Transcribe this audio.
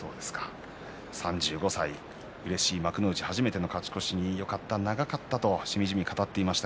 ３５歳うれしい幕内、初めての勝ち越しよかった長かったとしみじみ語っていました。